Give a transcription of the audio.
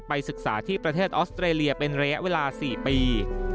ศึกษาที่ประเทศออสเตรเลียเป็นระยะเวลา๔ปี